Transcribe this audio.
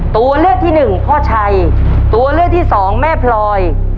ตัวเลือกที่หนึ่งพ่อชัยตัวเลือกที่สองแม่พลอย